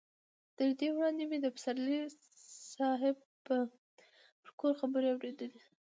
تر دې وړاندې مې د پسرلي صاحب پر کور خبرې اورېدلې.